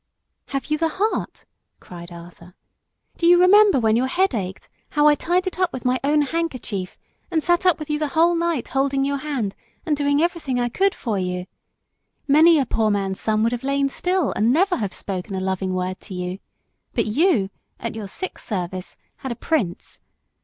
"Have you the heart?" cried Arthur. "Do you remember when your head ached how I tied it up with my own handkerchief, and sat up with you the whole night holding your hand and doing everything I could for you! Many a poor man's son would have lain still and never have spoke a loving word to you; but you, at your sick service, had a prince.